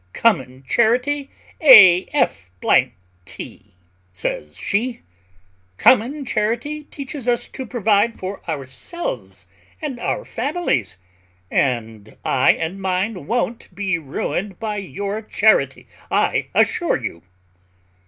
"Common charity, a f t!" says she, "common charity teaches us to provide for ourselves and our families; and I and mine won't be ruined by your charity, I assure you."